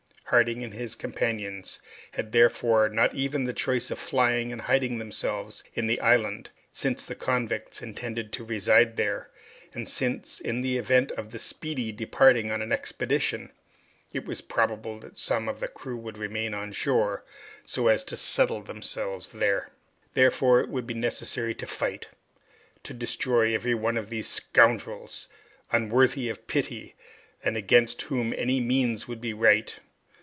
Harding and his companions had, therefore, not even the choice of flying and hiding themselves in the island, since the convicts intended to reside there, and since, in the event of the "Speedy" departing on an expedition, it was probable that some of the crew would remain on shore, so as to settle themselves there. Therefore, it would be necessary to fight, to destroy every one of these scoundrels, unworthy of pity, and against whom any means would be right.